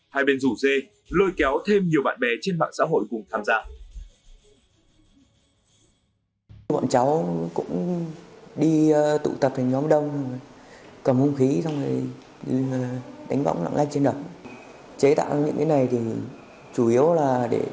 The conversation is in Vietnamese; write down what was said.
hai bên rủ dê lôi kéo thêm nhiều bạn bè trên mạng xã hội cùng tham gia